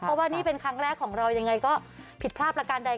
เพราะว่านี่เป็นครั้งแรกของเรายังไงก็ผิดพลาดประการใด